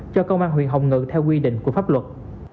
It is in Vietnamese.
cho công an huyện hồng ngự theo quy định của pháp luật